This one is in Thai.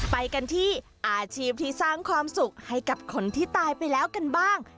ไปกันที่อาชีพที่สร้างความสุขให้กับคนที่ตายไปแล้วกันบ้าง